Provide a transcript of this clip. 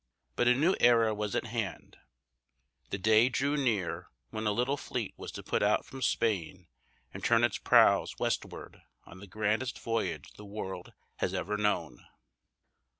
But a new era was at hand; the day drew near when a little fleet was to put out from Spain and turn its prows westward on the grandest voyage the world has ever known.